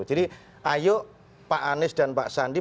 jadi ayo pak anies dan pak sandi berikanlah teladan kepada dki jakarta